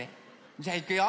じゃあいくよ！